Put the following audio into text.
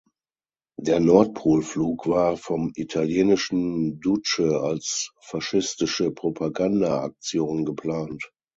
Der Nordpol-Flug war vom italienischen Duce als faschistische Propaganda-Aktion geplant.